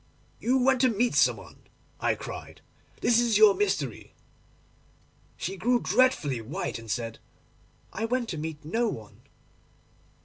—"You went to meet some one," I cried; "this is your mystery." She grew dreadfully white, and said, "I went to meet no one."